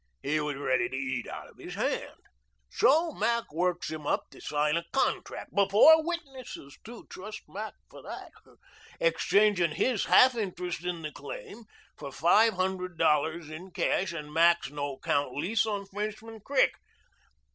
He was ready to eat out of his hand. So Mac works him up to sign a contract before witnesses too; trust Mac for that exchanging his half interest in the claim for five hundred dollars in cash and Mac's no 'count lease on Frenchman Creek.